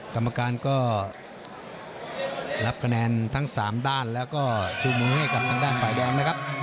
กรรมการก็รับคะแนนทั้ง๓ด้านแล้วก็ชูมือให้กับทางด้านฝ่ายแดงนะครับ